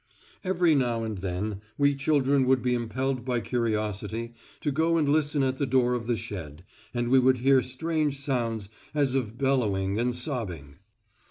Every now and then we children would be impelled by curiosity to go and listen at the door of the shed, and we would hear strange sounds as of bellowing and sobbing.